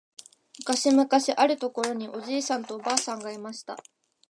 むかしむかしあるところにおじいさんとおばあさんがいました。